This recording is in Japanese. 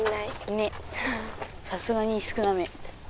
ねっさすがに少なめ。